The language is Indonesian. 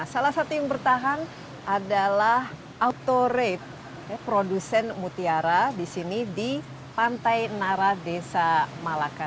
salah satu yang bertahan adalah autoreit produsen mutiara di sini di pantai naradesa malaka